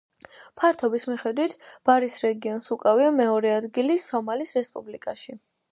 ფართობის მიხედვით ბარის რეგიონს უკავია მეორე ადგილი სომალის რესპუბლიკაში.